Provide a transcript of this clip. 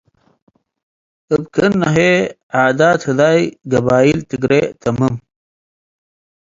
እብ ክእነ ህዬ ዓዳት ህዳይ ገበይል ትግሬ ተምም ።